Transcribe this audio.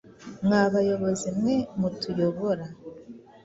Mwa bayobozi mwe mutuyobora